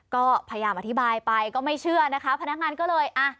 ก็พยายามอธิบายไปก็ไม่เชื่อนะคะพนักงานก็เลยอ่ะ